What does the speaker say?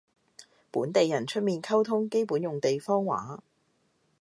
本地人出面溝通基本用地方話